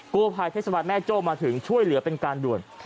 กู้ภัยเทศบาลแม่โจ้มาถึงช่วยเหลือเป็นการด่วน